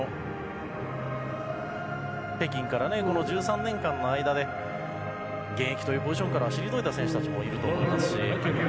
北京から１３年間の間で現役というポジションから退いた選手たちもいると思いますし。